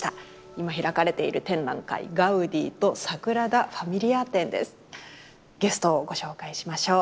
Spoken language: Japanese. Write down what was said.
今開かれている展覧会ゲストをご紹介しましょう。